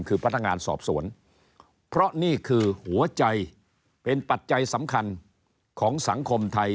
คือพนักงานสอบสวนเพราะนี่คือหัวใจเป็นปัจจัยสำคัญของสังคมไทย